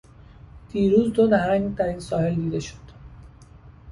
دیروز دو نهنگ در این ساحل دیده شد.